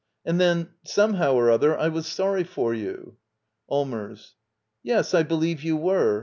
And then, somehow or other, I was sorry for you — Allmers. Yes, I believe you were.